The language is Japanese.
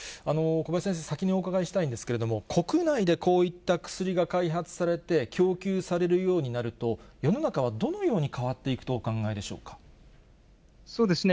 小林先生、先にお伺いしたいんですけれども、国内でこういった薬が開発されて、供給されるようになると、世の中はどのように変わっていくとお考えでしょうか。